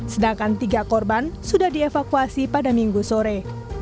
sedangkan tiga korban sudah dievakuasi pada minggu sore